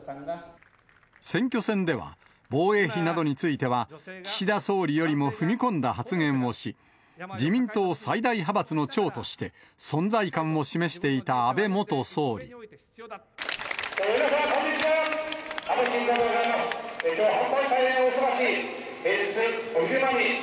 選挙戦では防衛費などについては、岸田総理よりも踏み込んだ発言をし、自民党最大派閥の長として、皆さんこんにちは、安倍晋三でございます。